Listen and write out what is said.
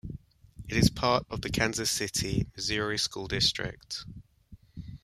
It is part of the Kansas City, Missouri School District.